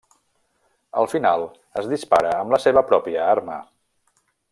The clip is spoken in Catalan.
Al final, es dispara amb la seva pròpia arma.